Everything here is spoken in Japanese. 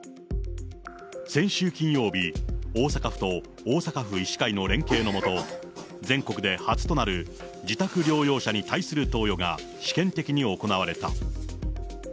先週金曜日、大阪府と大阪府医師会の連携の下、全国で初となる自宅療養者に対する投与が試験的に行われた。